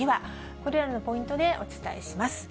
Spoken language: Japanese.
これらのポイントでお伝えします。